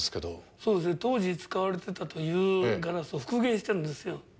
そうですね、当時、使われてたというガラスを復元してるんですよ。